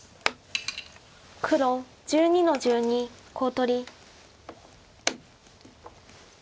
黒１２の十二コウ取り。